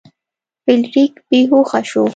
فلیریک بې هوښه شو.